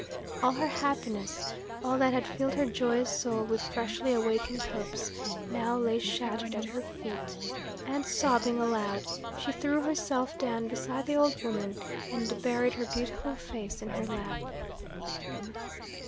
All her happiness, all that had filled her joyous soul with freshly awakened hopes, now lay shattered at her feet, and sobbing aloud she threw herself down beside the old woman and buried her beautiful face in her lap.